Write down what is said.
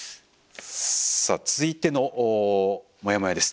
さあ続いてのモヤモヤです。